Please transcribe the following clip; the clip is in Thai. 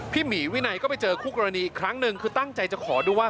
หมีวินัยก็ไปเจอคู่กรณีอีกครั้งหนึ่งคือตั้งใจจะขอดูว่า